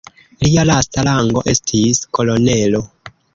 Lia lasta rango estis kolonelo.